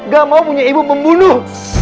gak mau punya ibu membunuh